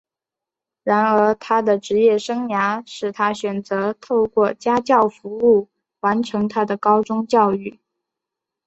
然而他的职业生涯使他选择透过家教服务完成他的高中教育。